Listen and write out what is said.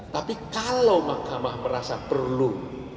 tapi kalau mahkamah merasa perlu